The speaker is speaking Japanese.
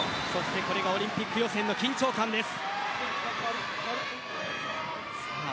オリンピック予選の緊張感です。